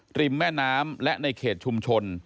ริมแม่น้ำและในเขตชุมชน